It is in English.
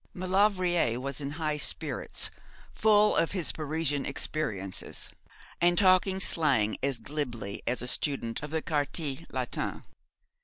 Maulevrier was in high spirits, full of his Parisian experiences, and talking slang as glibly as a student of the Quartier Latin.